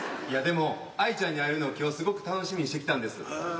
いやでも藍ちゃんに会えるの今日すごく楽しみにしてきたんです。